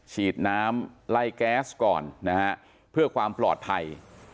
ฉีดน้ำไล่แก๊สก่อนนะฮะเพื่อความปลอดภัย